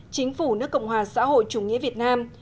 chính phủ nước cộng hòa xã hội chủ nghĩa việt nam